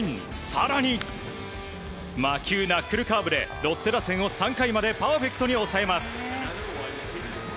更に、魔球ナックルカーブでロッテ打線を３回までパーフェクトに抑えます。